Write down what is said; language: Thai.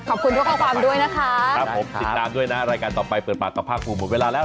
ขอบคุณทุกข้อความด้วยนะคะครับผมติดตามด้วยนะรายการต่อไปเปิดปากกับภาคภูมิหมดเวลาแล้ว